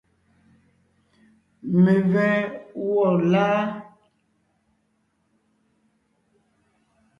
Mevɛ́ gwɔ́ láa?